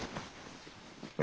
え？